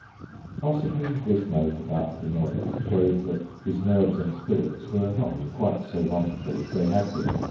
Possibly this note about the noise shows that his nerves and spirit were not quite so wonderful as they had been.